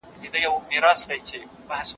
همېش اورم كرږي ساندي